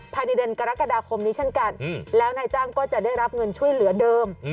ภายในเดือนกรกฎาคมนี้เช่นกันแล้วนายจ้างก็จะได้รับเงินช่วยเหลือเดิม